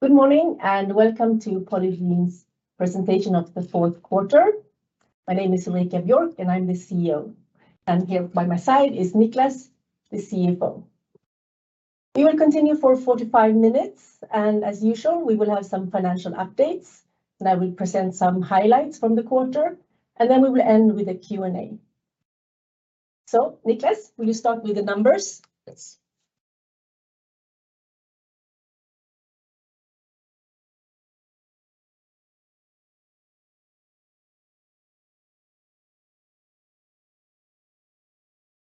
Good morning. Welcome to Polygiene's presentation of the fourth quarter. My name is Ulrika Björk. I'm the CEO. Here by my side is Niklas, the CFO. We will continue for 45 minutes. As usual, we will have some financial updates. I will present some highlights from the quarter. Then we will end with a Q&A. Niklas, will you start with the numbers? Yes.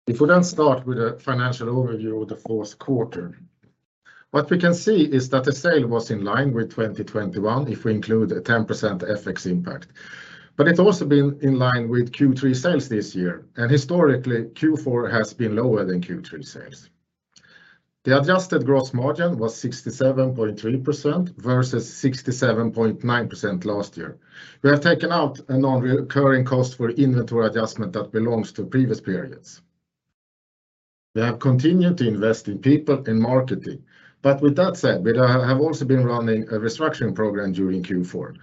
If we then start with the financial overview of the fourth quarter, what we can see is that the sale was in line with 2021 if we include a 10% FX impact. It's also been in line with Q3 sales this year, and historically, Q4 has been lower than Q3 sales. The adjusted gross margin was 67.3% versus 67.9% last year. We have taken out a non-recurring cost for inventory adjustment that belongs to previous periods. We have continued to invest in people, in marketing. With that said, we have also been running a restructuring program during Q4,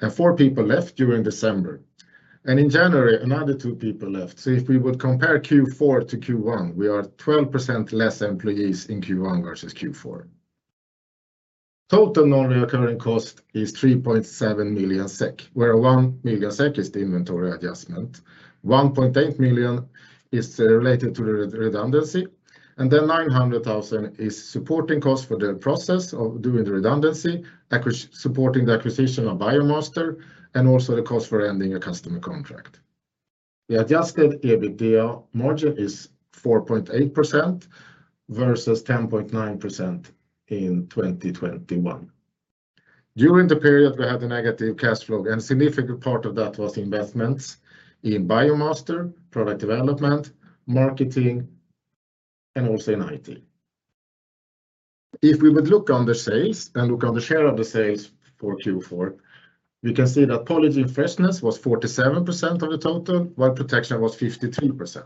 and four people left during December. In January, another two people left, so if we would compare Q4 to Q1, we are 12% less employees in Q1 versus Q4. Total non-recurring cost is 3.7 million SEK, where 1 million SEK is the inventory adjustment, 1.8 million is related to the redundancy, 900,000 is supporting cost for the process of doing the redundancy, supporting the acquisition of BioMaster and also the cost for ending a customer contract. The adjusted EBITDA margin is 4.8% versus 10.9% in 2021. During the period, we had a negative cash flow, a significant part of that was investments in BioMaster, product development, marketing, and also in IT. If we would look on the sales, and look on the share of the sales for Q4, we can see that Polygiene Freshness was 47% of the total, while Protection was 53%.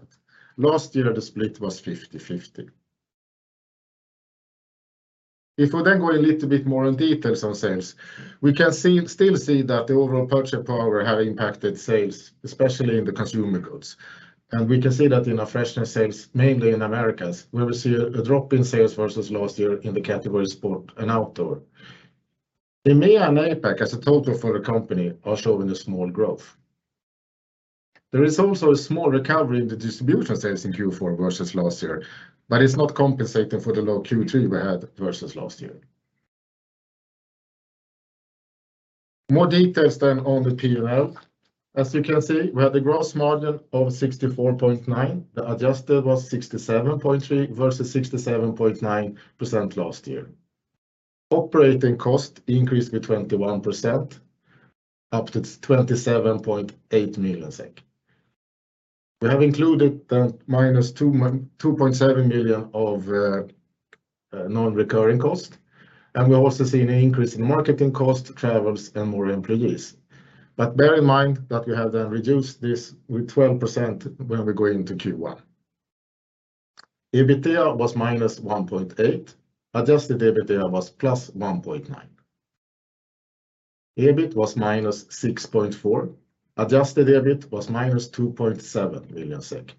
Last year, the split was 50/50. We then go a little bit more in detail on sales, we can still see that the overall purchase power has impacted sales, especially in the consumer goods. We can see that in our Freshness sales, mainly in Americas, where we see a drop in sales versus last year in the category sport and outdoor. EMEA and APAC as a total for the company are showing a small growth. There is also a small recovery in the distribution sales in Q4 versus last year. It's not compensating for the low Q3 we had versus last year. More details then on the P&L. As you can see, we had a gross margin of 64.9%. The adjusted was 67.3% versus 67.9% last year. Operating costs increased with 21%, up to 27.8 million SEK. We have included the minus 2.7 million of non-recurring cost. We also see an increase in marketing cost, travels, and more employees. Bear in mind that we have then reduced this with 12% when we go into Q1. EBITDA was -1.8 SEK. Adjusted EBITDA was +1.9 SEK. EBIT was -6.4 SEK. Adjusted EBIT was -2.7 million SEK.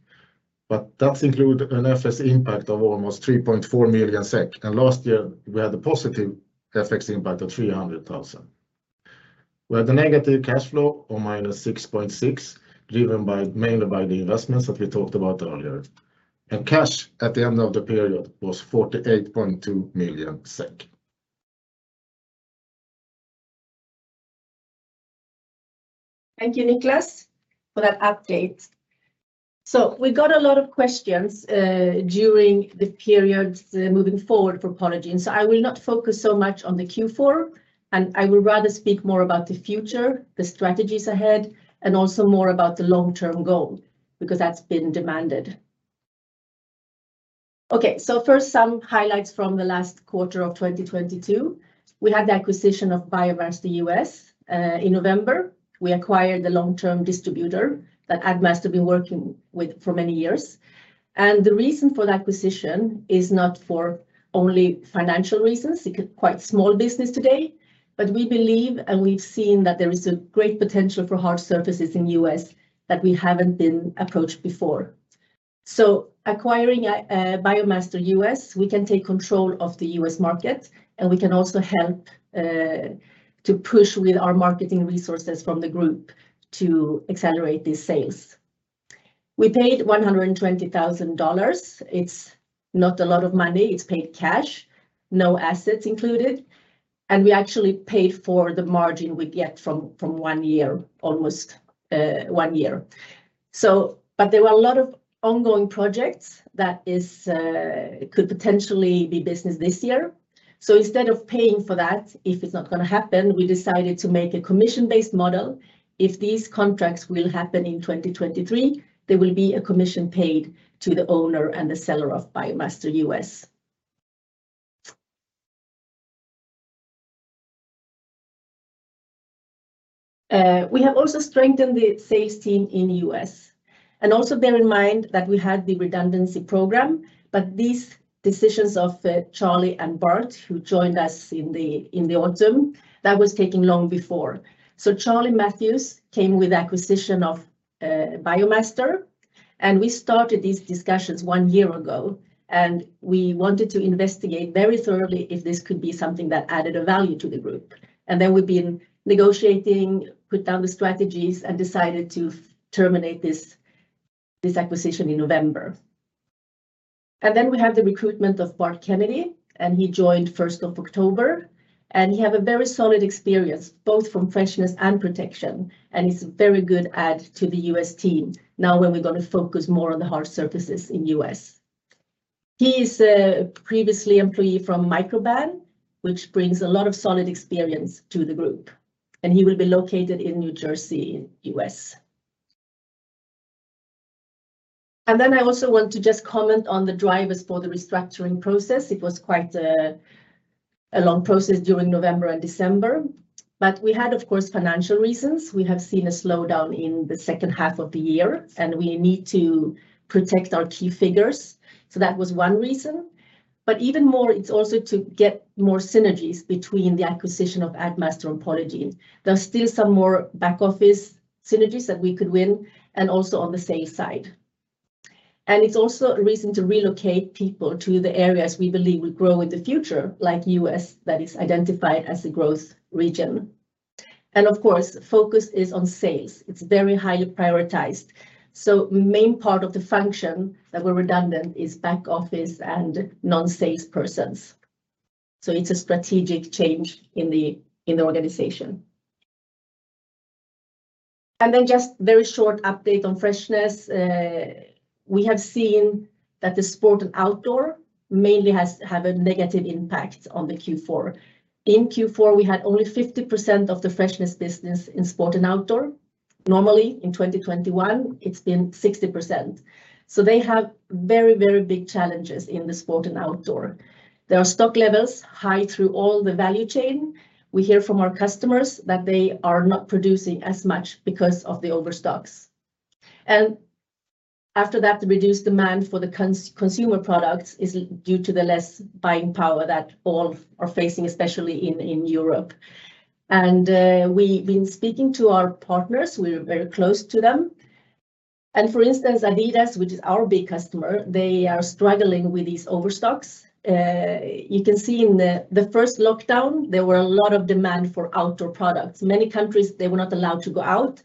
That's include an FX impact of almost 3.4 million SEK. Last year we had a positive FX impact of 300,000 SEK. We had a negative cash flow of -6.6 SEK, driven mainly by the investments that we talked about earlier. Cash at the end of the period was 48.2 million SEK. Thank you, Niklas, for that update. We got a lot of questions during the period moving forward for Polygiene, so I will not focus so much on the Q4, and I would rather speak more about the future, the strategies ahead, and also more about the long-term goal because that's been demanded. First some highlights from the last quarter of 2022. We had the acquisition of BioMaster US in November. We acquired the long-term distributor that Addmaster been working with for many years. The reason for the acquisition is not for only financial reasons, quite small business today, but we believe, and we've seen that there is a great potential for hard surfaces in U.S. that we haven't been approached before. Acquiring BioMaster US, we can take control of the U.S. market, and we can also help to push with our marketing resources from the Group to accelerate these sales. We paid $120,000. It's not a lot of money. It's paid cash, no assets included, and we actually paid for the margin we get from one year, almost one year. There were a lot of ongoing projects that is could potentially be business this year, so instead of paying for that if it's not gonna happen, we decided to make a commission-based model. If these contracts will happen in 2023, there will be a commission paid to the owner and the seller of BioMaster US. We have also strengthened the sales team in U.S. Also bear in mind that we had the redundancy program, but these decisions of Charlie and Bart, who joined us in the autumn, that was taking long before. Charlie Matthews came with acquisition of BioMaster, and we started these discussions 1 year ago, and we wanted to investigate very thoroughly if this could be something that added a value to the group. Then we've been negotiating, put down the strategies, and decided to terminate this acquisition in November. Then we have the recruitment of Bart Kennedy, and he joined 1st of October, and he have a very solid experience, both from Freshness and Protection, and he's a very good add to the U.S. team now when we're gonna focus more on the hard surfaces in U.S. He is a previous employee from Microban, which brings a lot of solid experience to the group, and he will be located in New Jersey, U.S. I also want to just comment on the drivers for the restructuring process. It was quite a long process during November and December, we had of course financial reasons. We have seen a slowdown in the second half of the year, we need to protect our key figures, that was one reason. Even more, it's also to get more synergies between the acquisition of Addmaster and Polygiene. There's still some more back office synergies that we could win, and also on the sales side. It's also a reason to relocate people to the areas we believe will grow in the future, like U.S., that is identified as a growth region. Of course, focus is on sales. It's very highly prioritized. Main part of the function that we're redundant is back office and non-sales persons. It's a strategic change in the organization. Just very short update on freshness. We have seen that the sport and outdoor mainly have a negative impact on the Q4. In Q4, we had only 50% of the freshness business in sport and outdoor. Normally, in 2021, it's been 60%. They have very big challenges in the sport and outdoor. There are stock levels high through all the value chain. We hear from our customers that they are not producing as much because of the overstocks. After that, the reduced demand for the consumer products is due to the less buying power that all are facing, especially in Europe. We've been speaking to our partners, we are very close to them. For instance, Adidas, which is our big customer, they are struggling with these overstocks. You can see in the first lockdown, there were a lot of demand for outdoor products. Many countries, they were not allowed to go out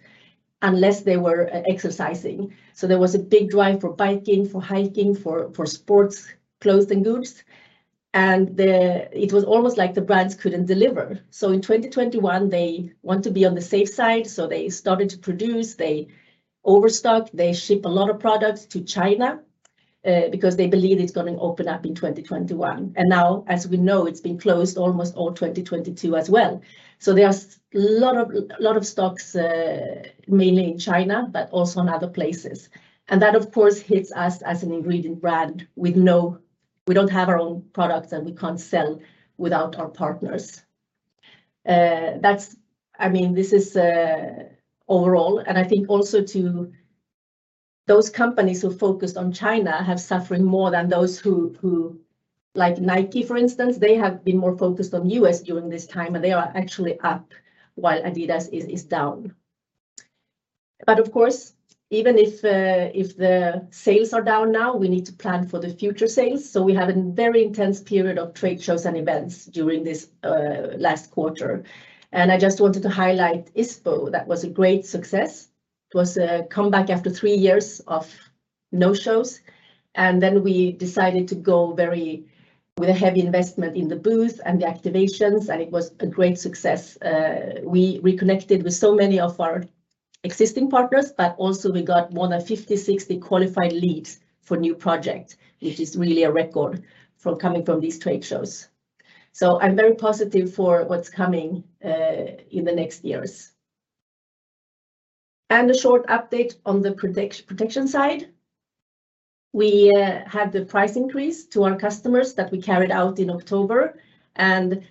unless they were exercising. There was a big drive for biking, for hiking, for sports clothes and goods. It was almost like the brands couldn't deliver. In 2021, they want to be on the safe side, so they started to produce, they overstock, they ship a lot of products to China because they believe it's gonna open up in 2021. Now, as we know, it's been closed almost all 2022 as well. There are lot of stocks, mainly in China, but also in other places. That of course hits us as an ingredient brand. We don't have our own products, and we can't sell without our partners. I mean, this is overall, and I think also to those companies who focused on China have suffering more than those who, like Nike for instance, they have been more focused on U.S. during this time, and they are actually up while Adidas is down. Of course, even if the sales are down now, we need to plan for the future sales. We have a very intense period of trade shows and events during this last quarter. I just wanted to highlight ISPO. That was a great success. It was a comeback after three years of no shows. We decided to go very, with a heavy investment in the booth and the activations. It was a great success. We reconnected with so many of our existing partners, but also we got more than 50, 60 qualified leads for new project, which is really a record from coming from these trade shows. I'm very positive for what's coming in the next years. A short update on the protection side. We had the price increase to our customers that we carried out in October, and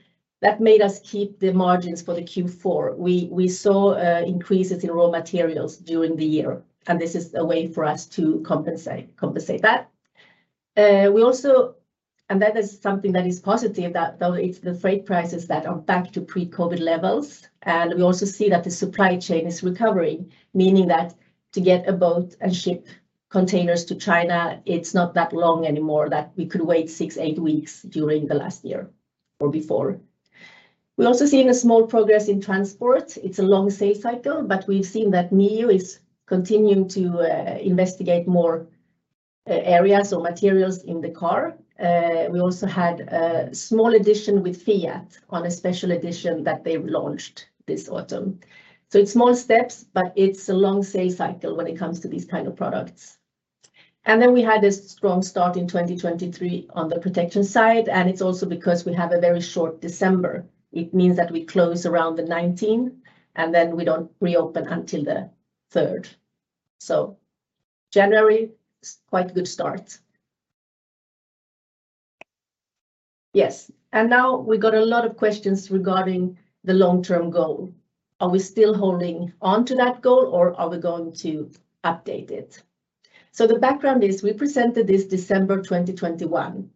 that made us keep the margins for the Q4. We saw increases in raw materials during the year, and this is a way for us to compensate that. We also... That is something that is positive, that it's the freight prices that are back to pre-COVID levels, and we also see that the supply chain is recovering, meaning that to get a boat and ship containers to China, it's not that long anymore, that we could wait six, eight weeks during the last year or before. We're also seeing a small progress in transport. It's a long sales cycle, but we've seen that NIO is continuing to investigate more areas or materials in the car. We also had a small addition with Fiat on a special edition that they've launched this autumn. It's small steps, but it's a long sales cycle when it comes to these kind of products. Then we had a strong start in 2023 on the protection side, and it's also because we have a very short December. It means that we close around the 19th, and then we don't reopen until the 3rd. January is quite a good start. Yes. Now we got a lot of questions regarding the long-term goal. Are we still holding on to that goal or are we going to update it? The background is we presented this December 2021.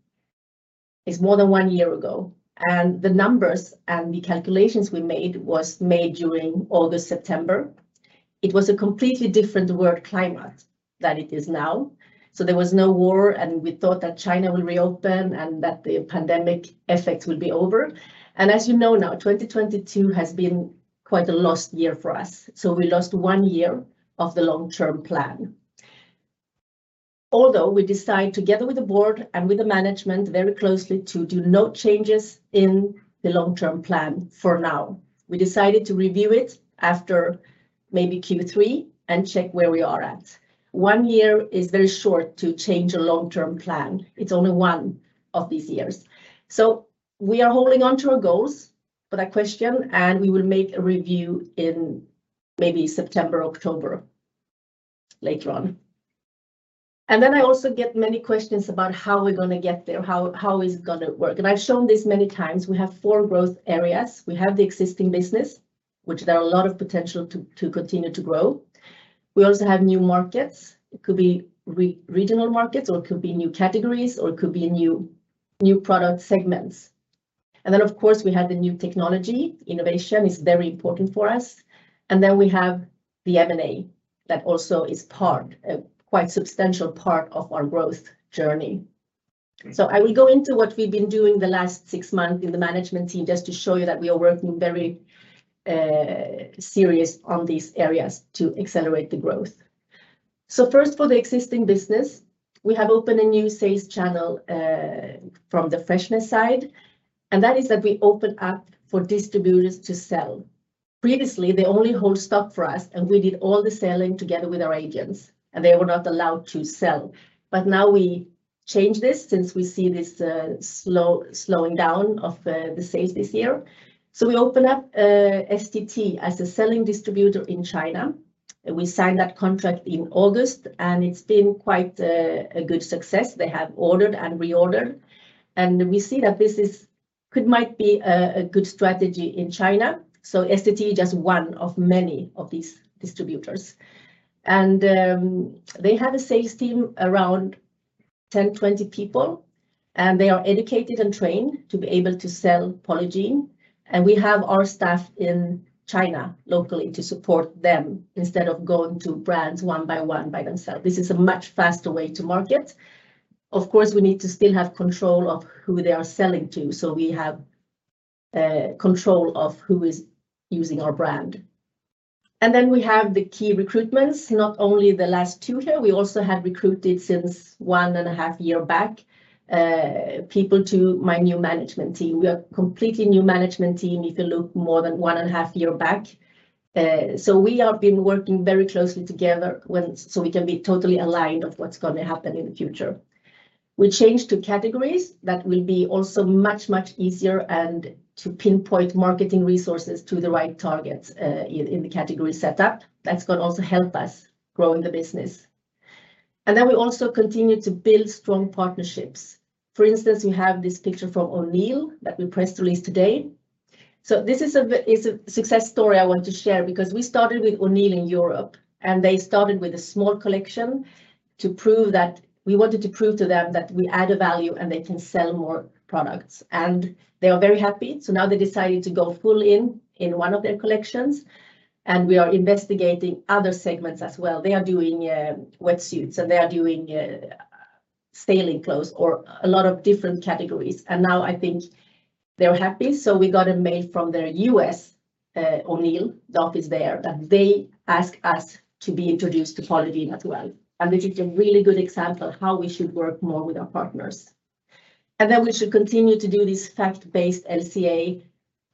It's more than one year ago, and the numbers and the calculations we made was made during August, September. It was a completely different world climate than it is now. There was no war, and we thought that China will reopen and that the pandemic effects will be over. As you know now, 2022 has been quite a lost year for us, so we lost one year of the long-term plan. Although we decide together with the board and with the management very closely to do no changes in the long-term plan for now. We decided to review it after maybe Q3 and check where we are at. One year is very short to change a long-term plan. It's only one of these years. We are holding onto our goals for that question, and we will make a review in maybe September, October later on. I also get many questions about how we're gonna get there, how is it gonna work? I've shown this many times. We have four growth areas. We have the existing business, which there are a lot of potential to continue to grow. We also have new markets. It could be regional markets or it could be new categories, or it could be new product segments. Of course, we have the new technology. Innovation is very important for us. We have the M&A that also is part, a quite substantial part of our growth journey. I will go into what we've been doing the last six months in the management team just to show you that we are working very serious on these areas to accelerate the growth. First, for the existing business, we have opened a new sales channel from the freshness side, and that is that we open up for distributors to sell. Previously, they only hold stock for us, and we did all the selling together with our agents, and they were not allowed to sell. Now we change this since we see this slowing down of the sales this year. We open up STT as a selling distributor in China. We signed that contract in August, and it's been quite a good success. They have ordered and reordered, and we see that this is could might be a good strategy in China. STT just one of many of these distributors. They have a sales team around 10, 20 people, and they are educated and trained to be able to sell Polygiene, and we have our staff in China locally to support them instead of going to brands one by one by themselves. This is a much faster way to market. Of course, we need to still have control of who they are selling to, so we have control of who is using our brand. We have the key recruitments, not only the last two here. We also have recruited since one and a half year back, people to my new management team. We are completely new management team if you look more than one and a half year back. We have been working very closely together so we can be totally aligned of what's going to happen in the future. We change to categories that will be also much, much easier and to pinpoint marketing resources to the right targets in the category setup. That's going to also help us growing the business. We also continue to build strong partnerships. For instance, we have this picture from O'Neill that we press released today. This is a success story I want to share because we started with O'Neill in Europe, and they started with a small collection to prove that we wanted to prove to them that we add a value and they can sell more products. They are very happy, so now they decided to go full in in one of their collections, and we are investigating other segments as well. They are doing wetsuits, and they are doing sailing clothes or a lot of different categories. Now I think they're happy, so we got a mail from their US O'Neill office there that they ask us to be introduced to Polygiene as well. This is a really good example how we should work more with our partners. We should continue to do this fact-based LCA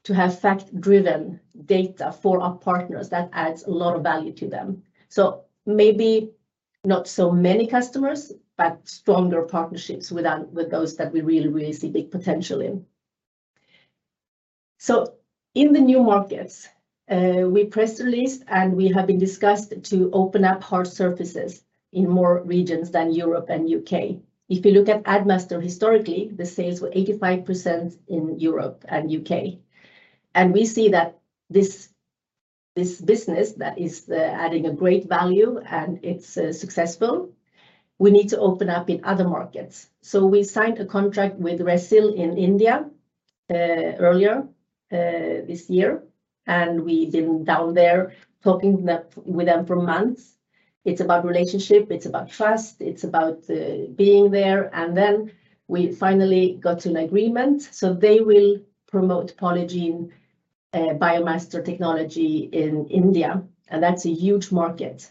to have fact-driven data for our partners that adds a lot of value to them. Maybe not so many customers, but stronger partnerships with those that we really see big potential in. In the new markets, we press released, and we have been discussed to open up hard surfaces in more regions than Europe and U.K. If you look at Addmaster historically, the sales were 85% in Europe and U.K. We see that this business that is adding a great value and it's successful, we need to open up in other markets. We signed a contract with Resil in India earlier this year, and we've been down there with them for months. It's about relationship. It's about trust. It's about being there. We finally got to an agreement, so they will promote Polygiene BioMaster technology in India, and that's a huge market.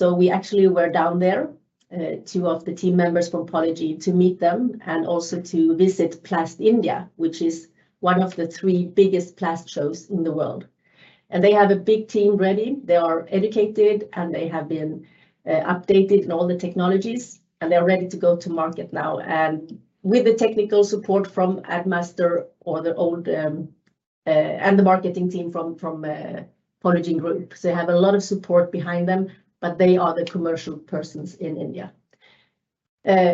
We actually were down there, two of the team members from Polygiene, to meet them and also to visit Plastindia, which is one of the three biggest plast shows in the world. They have a big team ready. They are educated, and they have been updated in all the technologies, and they are ready to go to market now. With the technical support from Addmaster and the marketing team from Polygiene Group. They have a lot of support behind them, but they are the commercial persons in India.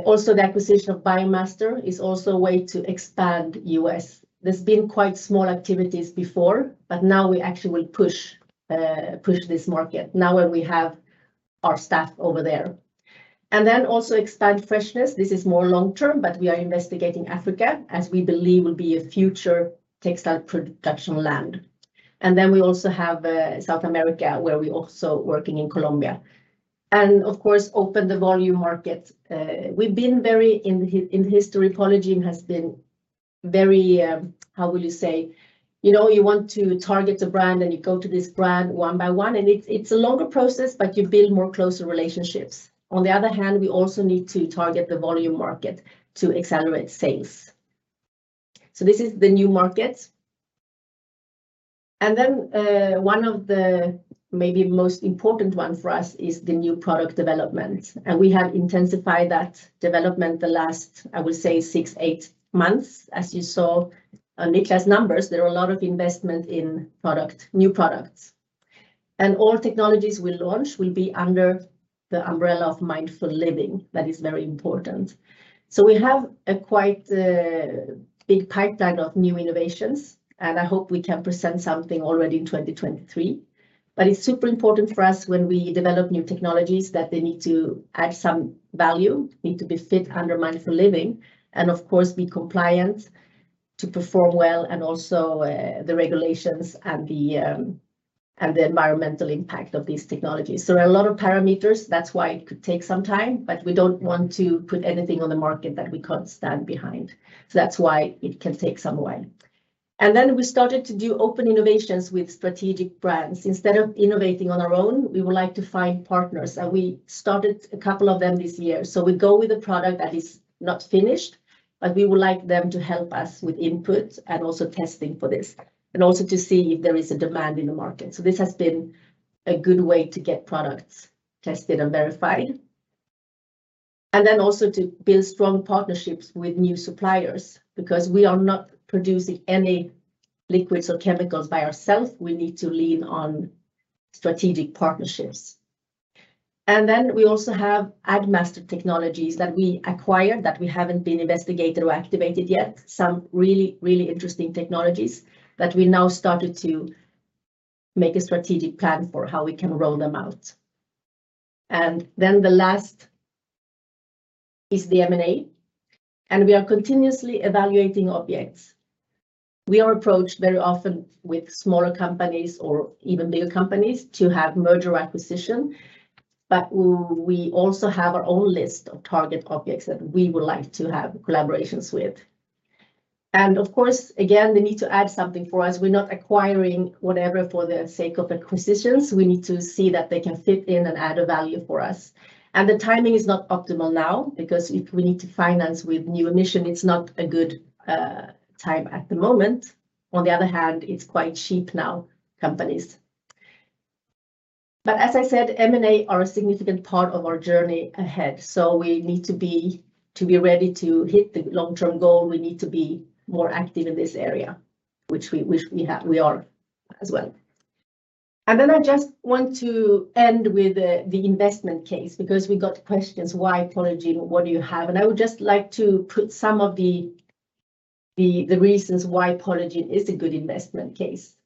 Also the acquisition of Biomaster is also a way to expand U.S. There's been quite small activities before. Now we actually will push this market now that we have our staff over there. Also expand Freshness. This is more long-term. We are investigating Africa as we believe will be a future textile production land. We also have South America where we also working in Colombia. Of course open the volume markets. We've been very, in history, Polygiene has been very, how will you say? You know, you want to target a brand and you go to this brand one by one and it's a longer process but you build more closer relationships. On the other hand we also need to target the volume market to accelerate sales. This is the new markets. One of the maybe most important one for us is the new product development and we have intensified that development the last I would say six, eight months as you saw on Niklas' numbers there are a lot of investment in product, new products. All technologies we launch will be under the umbrella of Mindful Living. That is very important. We have a quite big pipeline of new innovations and I hope we can present something already in 2023. It's super important for us when we develop new technologies that they need to add some value, need to be fit under Mindful Living and of course be compliant to perform well and also the regulations and the environmental impact of these technologies. There are a lot of parameters that's why it could take some time, but we don't want to put anything on the market that we can't stand behind. That's why it can take some while. Then we started to do open innovations with strategic brands. Instead of innovating on our own we would like to find partners and we started a couple of them this year. We go with a product that is not finished, but we would like them to help us with input and also testing for this and also to see if there is a demand in the market. This has been a good way to get products tested and verified. Then also to build strong partnerships with new suppliers because we are not producing any liquids or chemicals by ourselves we need to lean on strategic partnerships. We also have Addmaster technologies that we acquired that we haven't been investigated or activated yet. Some really, really interesting technologies that we now started to make a strategic plan for how we can roll them out. The last is the M&A and we are continuously evaluating objects. We are approached very often with smaller companies or even bigger companies to have merger acquisition, but we also have our own list of target objects that we would like to have collaborations with. Of course, again, they need to add something for us. We're not acquiring whatever for the sake of acquisitions. We need to see that they can fit in and add a value for us and the timing is not optimal now because if we need to finance with new emission it's not a good time at the moment. On the other hand, it's quite cheap now, companies. As I said, M&A are a significant part of our journey ahead so we need to be ready to hit the long-term goal we need to be more active in this area which we are as well. Then I just want to end with the investment case because we got questions, "Why Polygiene? What do you have?" I would just like to put some of the reasons why Polygiene is a good investment case.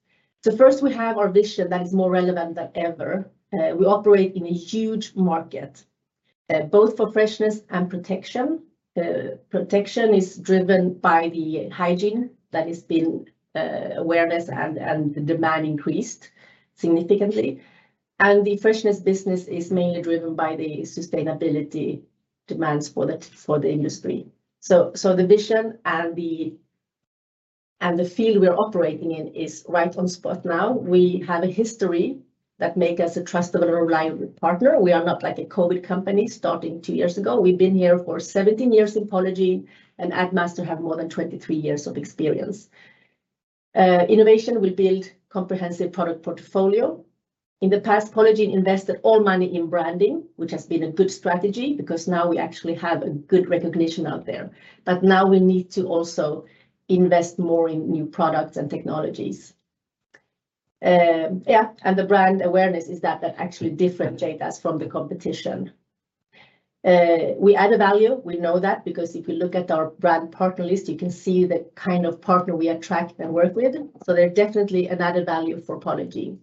First we have our vision that is more relevant than ever. We operate in a huge market, both for Freshness and Protection. Protection is driven by the hygiene that has been awareness and the demand increased significantly and the Freshness business is mainly driven by the sustainability demands for the industry. The vision and the field we are operating in is right on spot now. We have a history that make us a trustable and reliable partner. We are not like a COVID company starting two years ago. We've been here for 17 years in Polygiene and Addmaster have more than 23 years of experience. Innovation will build comprehensive product portfolio. In the past, Polygiene invested all money in branding which has been a good strategy because now we actually have a good recognition out there. Now we need to also invest more in new products and technologies. Yeah, the brand awareness is that actually differentiate us from the competition. We add a value. We know that because if you look at our brand partner list you can see the kind of partner we attract and work with so they're definitely an added value for Polygiene.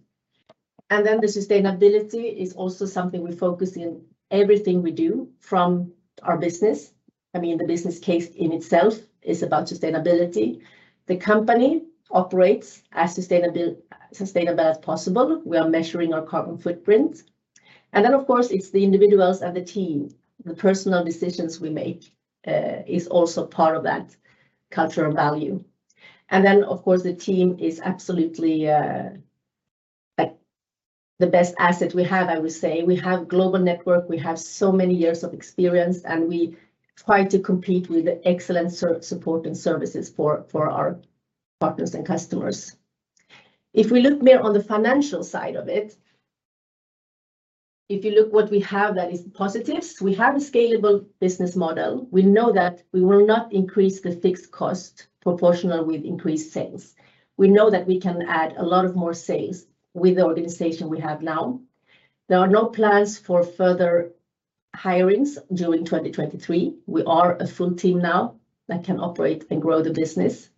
The sustainability is also something we focus in everything we do from our business, I mean the business case in itself is about sustainability. The company operates as sustainable as possible. We are measuring our carbon footprint. Of course it's the individuals and the team, the personal decisions we make, is also part of that culture and value. Of course the team is absolutely, like the best asset we have I would say. We have global network. We have so many years of experience and we try to compete with excellent support and services for our partners and customers. If we look more on the financial side of it. If you look what we have that is positives, we have a scalable business model. We know that we will not increase the fixed cost proportional with increased sales. We know that we can add a lot of more sales with the organization we have now. There are no plans for further hirings during 2023. We are a full team now that can operate and grow the business.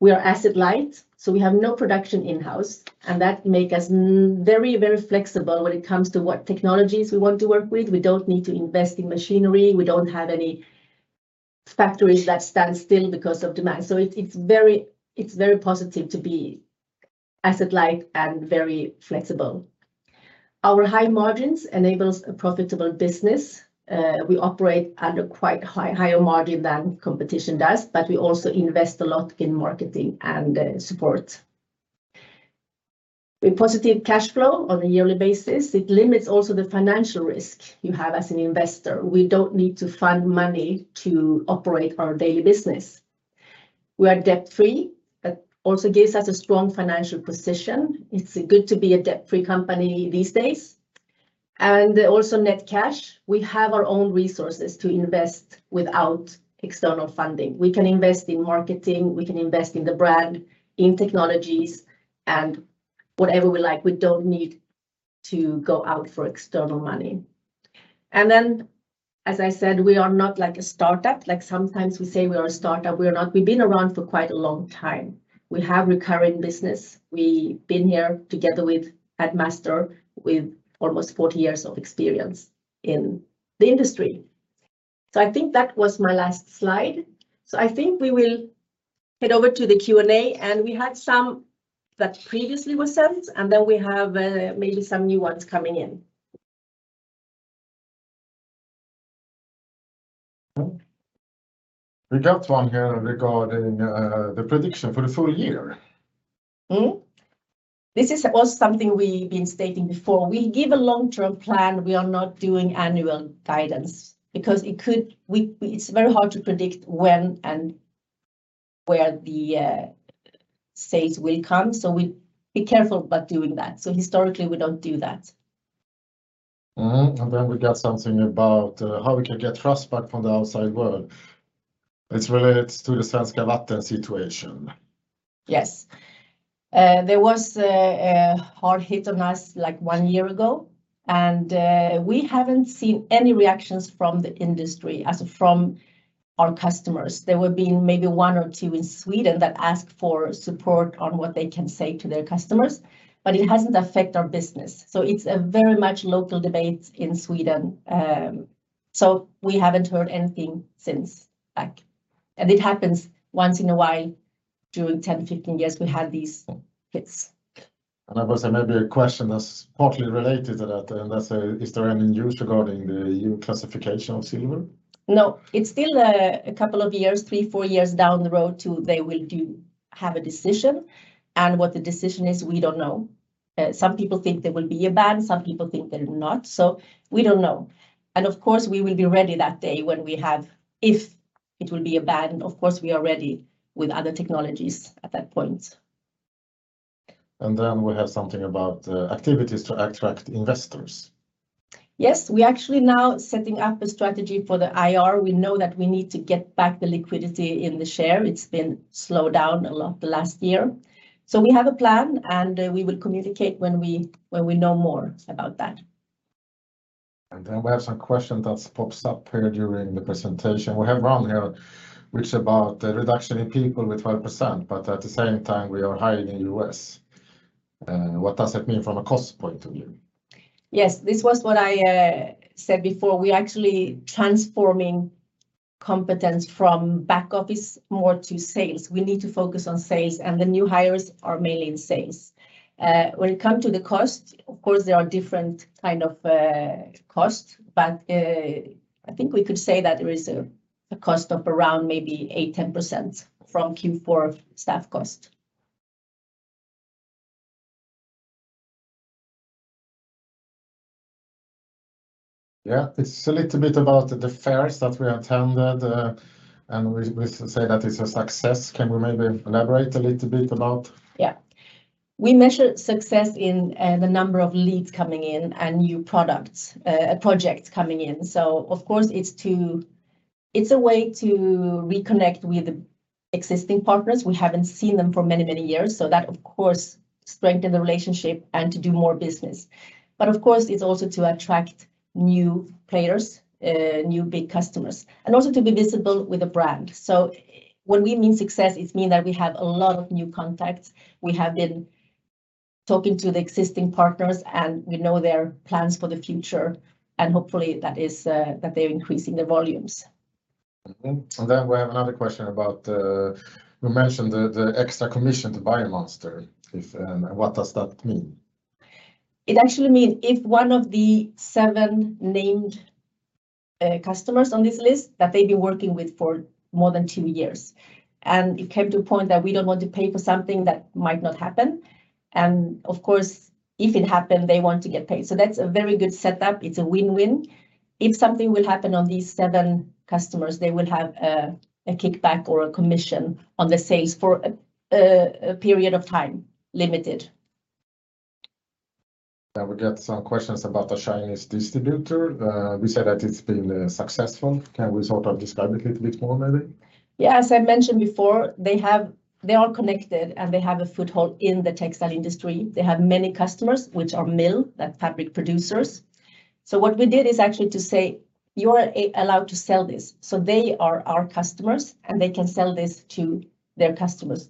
We are asset light, so we have no production in-house, and that make us very flexible when it comes to what technologies we want to work with. We don't need to invest in machinery. We don't have any factories that stand still because of demand. It's very positive to be asset light and very flexible. Our high margins enables a profitable business. We operate at a higher margin than competition does, but we also invest a lot in marketing and support. With positive cash flow on a yearly basis, it limits also the financial risk you have as an investor. We don't need to fund money to operate our daily business. We are debt-free. That also gives us a strong financial position. It's good to be a debt-free company these days, and also net cash. We have our own resources to invest without external funding. We can invest in marketing, we can invest in the brand, in technologies, and whatever we like. We don't need to go out for external money. As I said, we are not like a startup. Like, sometimes we say we are a startup, we are not, we've been around for quite a long time. We have recurring business. We been here together with Addmaster, with almost 40 years of experience in the industry. I think that was my last slide. I think we will head over to the Q&A, and we had some that previously was sent, and then we have maybe some new ones coming in. We got one here regarding the prediction for the full year. This is also something we've been stating before. We give a long-term plan. We are not doing annual guidance because it could, it's very hard to predict when and where the sales will come, so we be careful about doing that. Historically, we don't do that. Mm-hmm. Then we got something about how we can get trust back from the outside world. It's related to the Svenskt Vatten situation. Yes. There was a hard hit on us, like, one year ago. We haven't seen any reactions from the industry as from our customers. There were been maybe one or two in Sweden that asked for support on what they can say to their customers, but it hasn't affect our business. It's a very much local debate in Sweden. We haven't heard anything since that. It happens once in a while. During 10, 15 years we had these hits. I would say maybe a question that's partly related to that, and that's, is there any news regarding the EU classification of silver? It's still a couple of years, three, four years down the road to they will have a decision, and what the decision is, we don't know. Some people think there will be a ban, some people think there will not. We don't know. Of course, we will be ready that day when we have, if it will be a ban, of course, we are ready with other technologies at that point. We have something about activities to attract investors. Yes. We actually now setting up a strategy for the IR. We know that we need to get back the liquidity in the share. It's been slowed down a lot the last year. We have a plan, we will communicate when we know more about that. We have some question that's pops up here during the presentation. We have one here which about the reduction in people with 5%, at the same time we are hiring in U.S. What does it mean from a cost point of view? Yes. This was what I said before. We're actually transforming competence from back office more to sales. We need to focus on sales. The new hires are mainly in sales. When it come to the cost, of course there are different kind of cost, but I think we could say that there is a cost of around maybe 8-10% from Q4 staff cost. Yeah. It's a little bit about the fairs that we attended. We say that it's a success. Can we maybe elaborate a little bit about? We measure success in the number of leads coming in and new products, projects coming in. Of course it's to, it's a way to reconnect with existing partners. We haven't seen them for many, many years, so that of course strengthen the relationship and to do more business. Of course it's also to attract new players, new big customers, and also to be visible with the brand. When we mean success, it mean that we have a lot of new contacts. We have been talking to the existing partners, and we know their plans for the future, and hopefully that is that they're increasing their volumes. Mm-hmm. Then we have another question about, you mentioned the extra commission to Biomaster. If, what does that mean? It actually mean if one of the seven named customers on this list that they've been working with for more than two years, and it came to a point that we don't want to pay for something that might not happen, and of course, if it happen, they want to get paid. That's a very good setup. It's a win-win. If something will happen on these seven customers, they will have a kickback or a commission on the sales for a period of time, limited. Yeah, we get some questions about the Chinese distributor. We said that it's been successful. Can we sort of describe it little bit more maybe? Yeah. As I mentioned before, they are connected, and they have a foothold in the textile industry. They have many customers, which are mill, they're fabric producers. What we did is actually to say, "You're allowed to sell this." They are our customers, and they can sell this to their customers.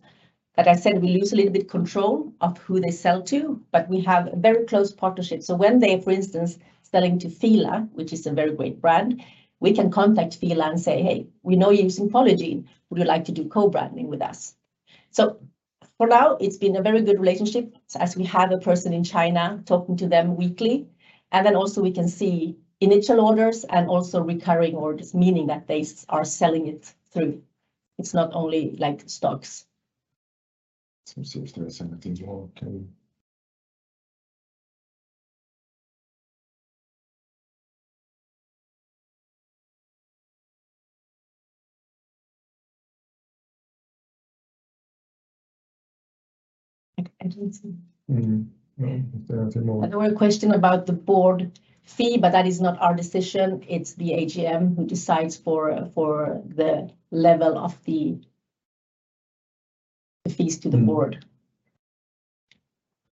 Like I said, we lose a little bit control of who they sell to, but we have a very close partnership. When they, for instance, selling to Fila, which is a very great brand, we can contact Fila and say, "Hey, we know you're using Polygiene. Would you like to do co-branding with us?" For now, it's been a very good relationship as we have a person in China talking to them weekly, and then also we can see initial orders and also recurring orders, meaning that they are selling it through. It's not only, like, stocks. Some seems to have some things wrong, can you- I don't see. Mm-hmm. No. If there are some more. Another question about the board fee. That is not our decision. It's the AGM who decides for the level of the fees to the board. Mm.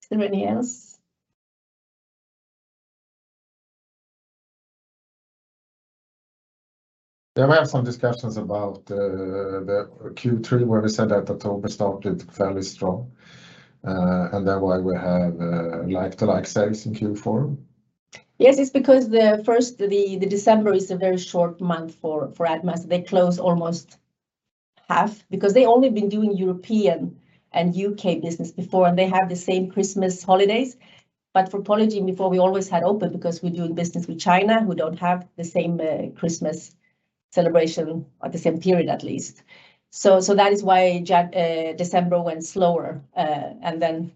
Is there any else? We have some discussions about the Q3 where we said that October started fairly strong, and that's why we have like to like sales in Q4. Yes, it's because the first, the December is a very short month for Addmaster. They close almost half because they only been doing European and UK business before, and they have the same Christmas holidays. For Polygiene before, we always had open because we're doing business with China who don't have the same Christmas celebration at the same period, at least. That is why December went slower, and then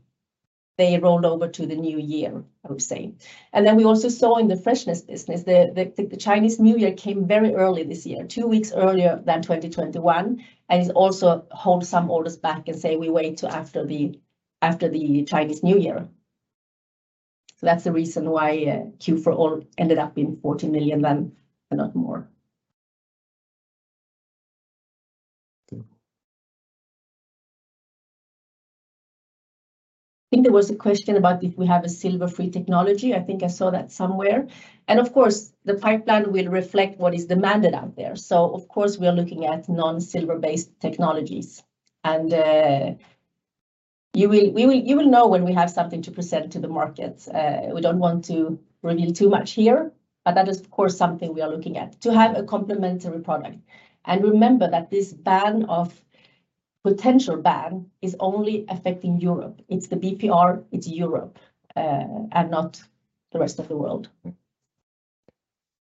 they rolled over to the new year, I would say. We also saw in the freshness business the Chinese New Year came very early this year, 2 weeks earlier than 2021, and it also hold some orders back and say we wait to after the Chinese New Year. That's the reason why Q4 all ended up being 40 million than and not more. Yeah. I think there was a question about if we have a silver-free technology. I think I saw that somewhere. Of course, the pipeline will reflect what is demanded out there. Of course, we are looking at non-silver-based technologies, and you will know when we have something to present to the markets. We don't want to reveal too much here, but that is of course something we are looking at, to have a complementary product. Remember that this potential ban is only affecting Europe. It's the BPR, it's Europe, and not the rest of the world.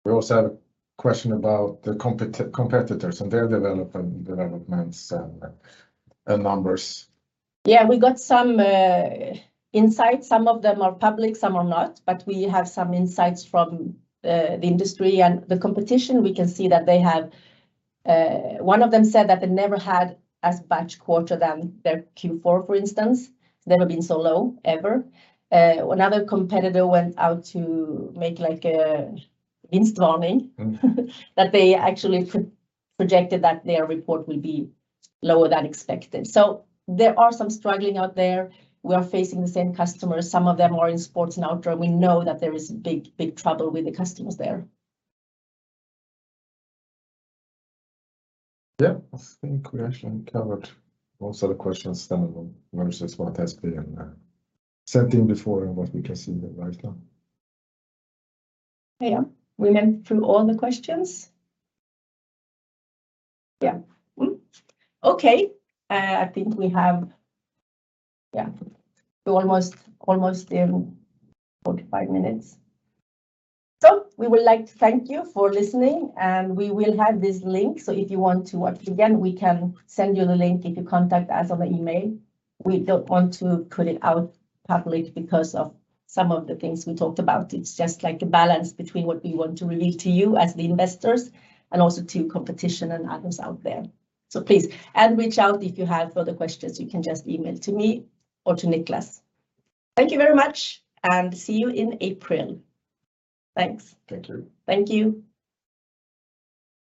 We also have a question about the competitors and their developments and numbers. We got some insights. Some of them are public, some are not, but we have some insights from the industry and the competition we can see that they have. One of them said that they never had as bad quarter than their Q4, for instance. It's never been so low ever. Another competitor went out to make like a profit warning. Mm. That they actually projected that their report will be lower than expected. There are some struggling out there. We are facing the same customers. Some of them are in sports and outdoor. We know that there is big trouble with the customers there. Yeah. I think we actually covered most of the questions then versus what has been, said thing before and what we can see right now. Yeah. We went through all the questions? Yeah. Okay. We're almost in 45 minutes. We would like to thank you for listening, and we will have this link. If you want to watch it again, we can send you the link if you contact us on the email. We don't want to put it out public because of some of the things we talked about. It's just like a balance between what we want to reveal to you as the investors and also to competition and others out there. Please, and reach out if you have further questions. You can just email to me or to Niklas. Thank you very much, and see you in April. Thanks. Thank you. Thank you.